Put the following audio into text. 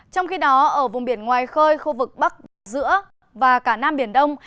trong khi đó ở vùng biển ngoài khơi khu vực bắc và giữa và cả nam biển đông